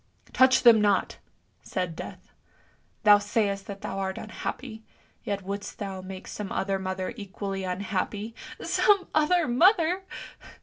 " "Touch them not! " said Death. 'Thou sayst that thou art unhappy, yet wouldst thou make some other mother equally unhappy !"" Some other mother!